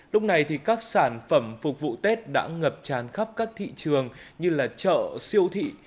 lúc này thì các sản phẩm phục vụ tết đã ngập tràn khắp các thị trường như chợ siêu thị